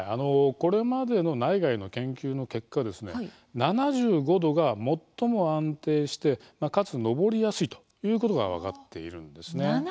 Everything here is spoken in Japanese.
これまでの内外の研究の結果７５度が最も安定してかつ、昇りやすいということが分かっているんですね。